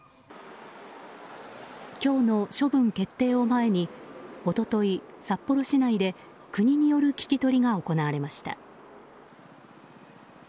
今日の処分決定を前に一昨日、札幌市内で国による聞き取りが行われました。